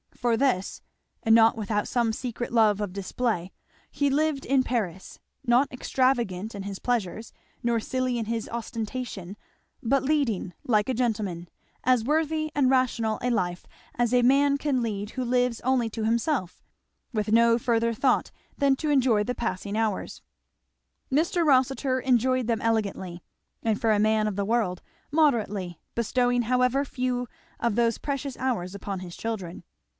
For this, and not without some secret love of display, he lived in Paris; not extravagant in his pleasures, nor silly in his ostentation, but leading, like a gentleman, as worthy and rational a life as a man can lead who lives only to himself, with no further thought than to enjoy the passing hours. Mr. Rossitur enjoyed them elegantly, and for a man of the world, moderately, bestowing however few of those precious hours upon his children.